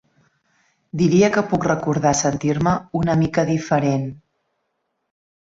Diria que puc recordar sentir-me una mica diferent.